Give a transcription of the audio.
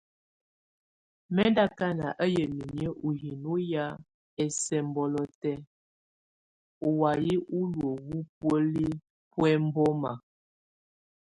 Mɛ̀ ndù akana á yamɛ̀á inyǝ ù hino hɛ ɛsɛmbɛlɔ tɛ̀á ù waya u ɔlɔ u bùóli bù ɛmbɔma.